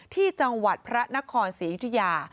ที่จังหวัดพระนครศรีอยุธยา